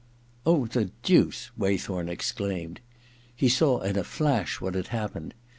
Oh, the deuce !' Waythorn exclaimed. He saw in a flash what had happened.